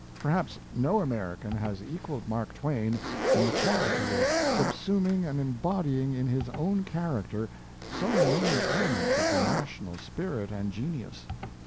Perhaps no American has equalled Mark Twain in the quality of subsuming and embodying in his own character so many elements of the national spirit and genius.